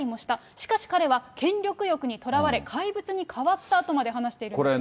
しかし彼は権力欲にとらわれ、怪物に変わったとまで話しているんですね。